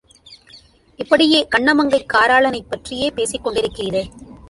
இப்படியே கண்ணமங்கைக் காராளனைப் பற்றியே பேசிக் கொண்டிருக்கிறீரே.